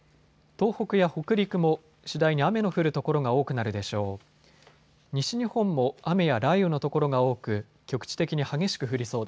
東北や北陸も次第に雨の降る所が多くなるでしょう。